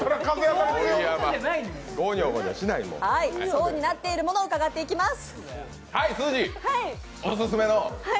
層になっているものを伺います。